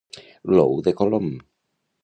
L'ou de Colom.